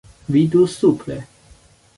Vidu supre.